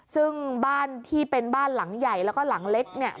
ซึ่งบ้านที่เป็นบ้านหลังใหญ่แล้วก็หลังเล็กเนี่ย